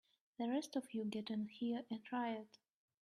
The rest of you get in here and riot!